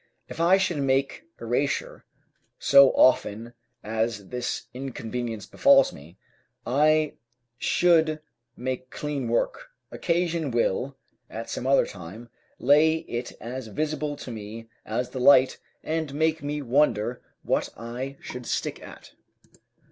If I should make erasure so often as this inconvenience befalls me, I should make clean work; occasion will, at some other time, lay it as visible to me as the light, and make me wonder what I should stick at.